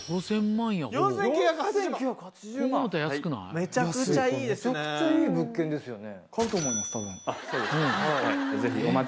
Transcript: めちゃくちゃいい物件ですよね。